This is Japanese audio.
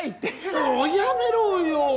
もうやめろよ！